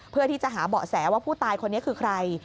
เพื่อที่จะหาเบาะแสว่าผู้ตายคนนี้คือใคร